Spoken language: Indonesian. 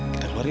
kita keluar ya